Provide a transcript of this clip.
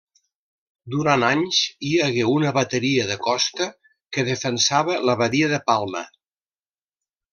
Durant anys hi hagué una bateria de costa que defensava la badia de Palma.